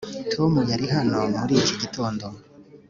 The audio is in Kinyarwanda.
Tom yari hano muri iki gitondo